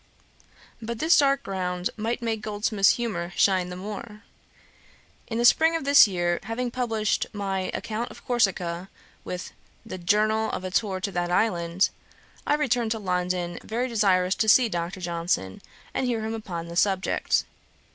But this dark ground might make Goldsmith's humour shine the more. In the spring of this year, having published my Account of Corsica, with the Journal of a Tour to that Island, I returned to London , very desirous to see Dr. Johnson, and hear him upon the subject.